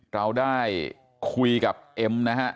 เราได้คุยกับเอ็มนะฮะ